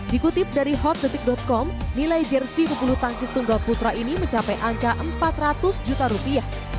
dikutip dari hotdetik com nilai jersey pembuluh tangkis tunggal putra ini mencapai angka empat ratus juta rupiah